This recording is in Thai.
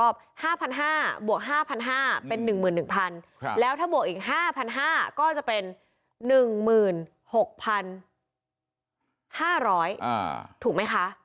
๕๕๐๐บวก๕๕๐๐เป็น๑๑๐๐๐แล้วถ้าบวกอีก๕๕๐๐ก็จะเป็น๑๖๕๐๐ถูกไหมคะ